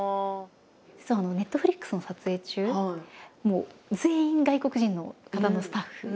実はＮｅｔｆｌｉｘの撮影中全員外国人の方のスタッフ。